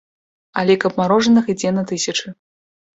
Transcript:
А лік абмарожаных ідзе на тысячы.